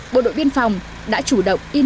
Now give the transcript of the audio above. bộ đội biên phòng đã xử lý các lực lượng chức năng